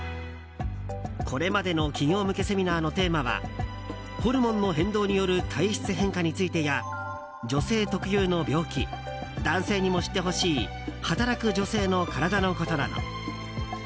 これまでの企業向けセミナーのテーマはホルモンの変動による体質変化についてや女性特有の病気男性にも知ってほしい働く女性の体のことなど。